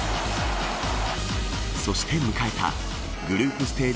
そして、迎えたグループステージ